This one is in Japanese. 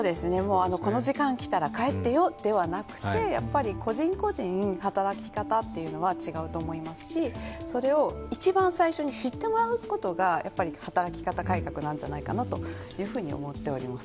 この時間来たら帰ってよ、ではなくてやっぱり個人個人働き方というのは違うと思いますし、それを一番最初に知ってもらうことがやっぱり働き方改革なんじゃないかなと思っております。